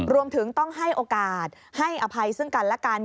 รวมถึงต้องให้โอกาสให้อภัยซึ่งกันและกัน